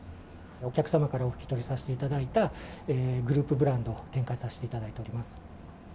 お客様からお引き取りさせていただいたグループブランドを展開させていただいております。